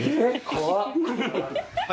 怖っ。